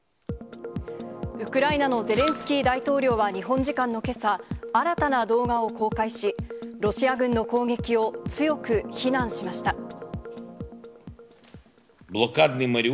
ウクライナのゼレンスキー大統領は日本時間のけさ、新たな動画を公開し、ロシア軍の攻撃を強く非難しました。